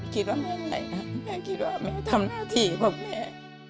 คิดว่าแม่ไหลนะแม่คิดว่าแม่ทำหน้าที่ครับแม่